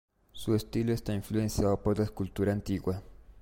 Su estilo está influenciado por la escultura antigua.